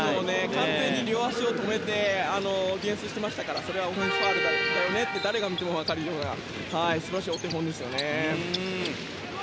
完全に両足を止めてディフェンスしていましたからそりゃオフェンスファウルだよねと誰が見ても分かる素晴らしいお手本ですね。